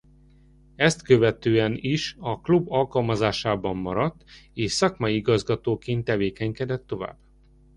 Ezt követően is a klub alkalmazásában maradt és szakmai igazgatóként tevékenykedett tovább.